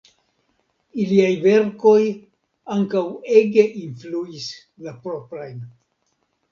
Iliaj verkoj ankaŭ ege influis la proprajn.